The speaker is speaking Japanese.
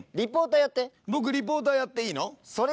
僕リポーターやっていいの？